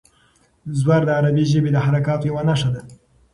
زور د عربي ژبې د حرکاتو یوه نښه ده.